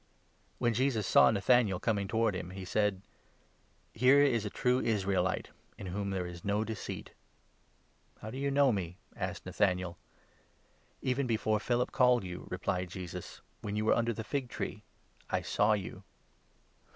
When Jesus saw Nathanael coming towards him, he said :, 47 " Here is a true Israelite, in whom there is no deceit! "" How, do you know me ?" asked Nathanael. 48 " Even before Philip called you," replied Jesus, " when you were under the fig tree, I saw you."